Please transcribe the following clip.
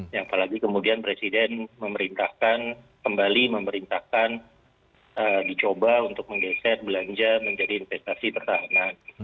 yang apalagi kemudian presiden memerintahkan kembali memerintahkan dicoba untuk menggeser belanja menjadi investasi pertahanan